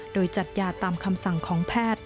โดยจัดยาตามคำสั่งของแพทย์